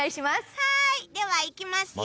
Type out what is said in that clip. はいでは行きますよ。